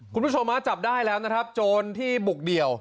คุณผู้ชมฮะจับได้แล้วนะครับโจรที่บุกเดี่ยว